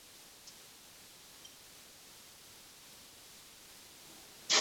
本鱼分布于日本海域。